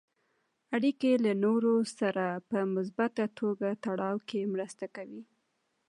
اړیکې له نورو سره په مثبته توګه تړاو کې مرسته کوي.